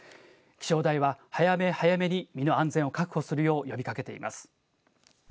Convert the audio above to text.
気象台は、早め早めに身の安全を確保するよう呼びかけています。